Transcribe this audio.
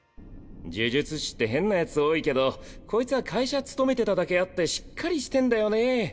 呪術師って変なヤツ多いけどこいつは会社勤めてただけあってしっかりしてんだよね。